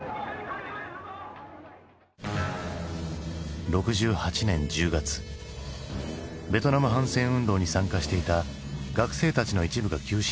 ベトナム反戦運動に参加していた学生たちの一部が急進化し暴徒化。